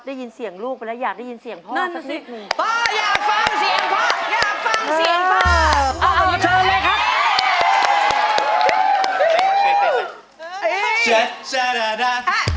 ได้ยินเสียงลูกไปแล้วอยากได้ยินเสียงพ่อสักนิดหนึ่ง